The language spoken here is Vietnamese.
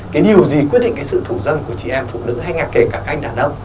cái điều gì quyết định cái sự thủ dâm của chị em phụ nữ hay là kể cả các anh đàn ông